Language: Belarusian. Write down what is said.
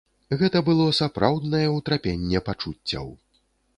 Гэта было сапраўднае ўтрапенне пачуццяў.